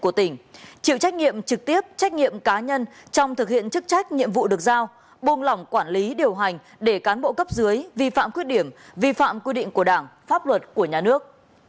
ông nguyễn dương thái chịu trách nhiệm trực tiếp trách nhiệm cá nhân trong thực hiện chức trách nhiệm vụ được giao bùng lỏng quản lý điều hành để cán bộ cấp dưới vi phạm khuyết điểm vi phạm quy định của đảng pháp luật của nhà nước